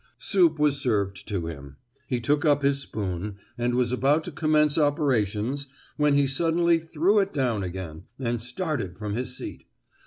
Soup was served to him. He took up his spoon, and was about to commence operations, when he suddenly threw it down again, and started from his seat.